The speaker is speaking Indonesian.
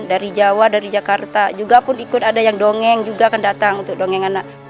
dari jawa dari jakarta juga pun ikut ada yang dongeng juga akan datang untuk dongeng anak